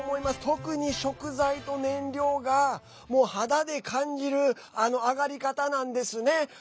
特に、食材と燃料が肌で感じる上がり方なんですね。